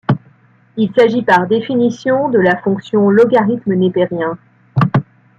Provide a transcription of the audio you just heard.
Il s'agit par définition de la fonction logarithme népérien.